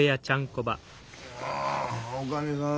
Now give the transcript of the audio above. あおかみさん。